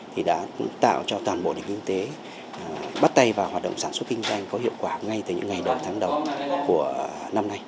thì đã tạo cho toàn bộ nền kinh tế bắt tay vào hoạt động sản xuất kinh doanh có hiệu quả ngay từ những ngày đầu tháng đầu của năm nay